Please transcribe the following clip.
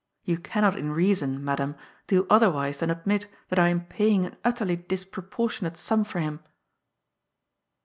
You cannot in reason, madam, do otherwise than admit that I am paying an utterly disproportionate sum for him."